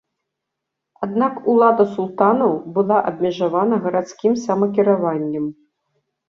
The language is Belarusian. Аднак улада султанаў была абмежавана гарадскім самакіраваннем.